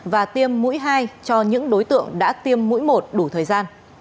và tiêm mũi hai cho những đối tượng đã tiêm mũi một đủ thời gian